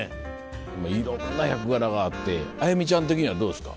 いろんな役柄があってあやみちゃん的にはどうですか？